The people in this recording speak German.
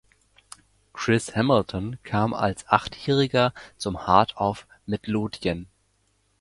Chris Hamilton kam als Achtjähriger zu Heart of Midlothian.